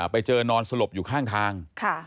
ไปเจอนอนสลบอยู่ข้างทาง